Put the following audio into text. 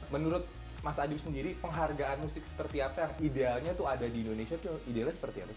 menurut mas adib sendiri penghargaan musik seperti apa yang idealnya ada di indonesia